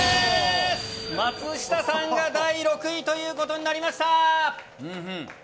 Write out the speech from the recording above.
松下さんが第６位ということになりました。